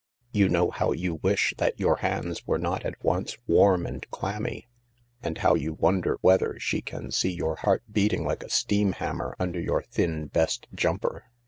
You know how you wish that your hands were not at once warm and clammy, and how you wonder whether she can see your heart beating like a steam hammer under your thin best jumper.